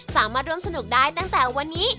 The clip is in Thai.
สามารถร่วมสนุกได้ตั้งแต่วันนี้